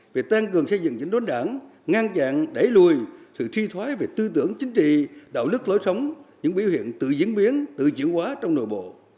về tăng cường xây dựng chính đối đảng ngang dạng đẩy lùi sự thi thoái về tư tưởng chính trị đạo lực lối sống những biểu hiện tự diễn biến tự diễn hóa trong nội bộ